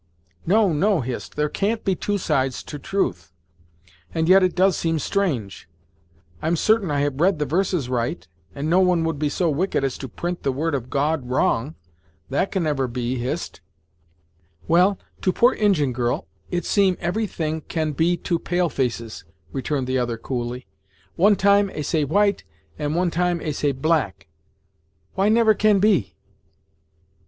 "No no Hist, there can't be two sides to truth and yet it does seem strange! I'm certain I have read the verses right, and no one would be so wicked as to print the word of God wrong. That can never be, Hist." "Well, to poor Injin girl, it seem every thing can be to pale faces," returned the other, coolly. "One time 'ey say white, and one time 'ey say black. Why never can be?"